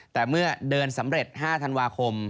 แต่เมื่อเดินสำเร็จ๕ธันวาคม